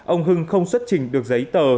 ông hưng không xuất trình được giấy tờ